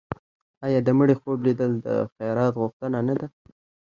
آیا د مړي خوب لیدل د خیرات غوښتنه نه ده؟